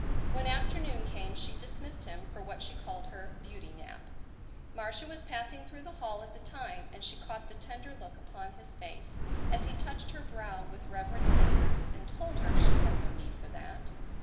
When afternoon came she dismissed him for what she called her "beauty nap." Marcia was passing through the hall at the time and she caught the tender look upon his face as he touched her brow with reverent fingers and told her she had no need for that.